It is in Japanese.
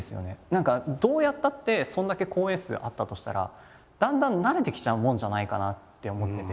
何かどうやったってそれだけ公演数あったとしたらだんだん慣れてきちゃうもんじゃないかなって思ってて。